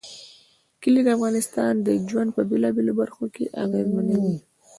کلي د افغانانو ژوند په بېلابېلو برخو اغېزمنوي.